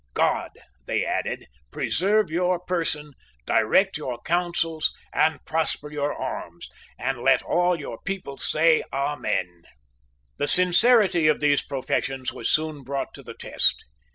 "God," they added, "preserve your person, direct your counsels, and prosper your arms; and let all your people say Amen." The sincerity of these professions was soon brought to the test.